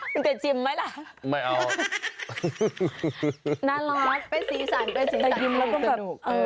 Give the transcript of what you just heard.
คุณจะจิ้มไหมล่ะไม่เอาน่ารักไปซีสันไปซีสันสนุกสนุกเออ